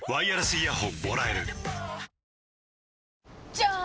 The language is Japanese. じゃーん！